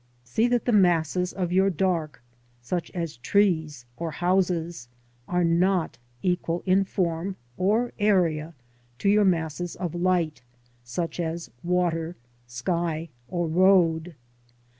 See that the masses of your dark, such as trees or houses, are not equal in form or area to your masses of light, such as water, sky, or road.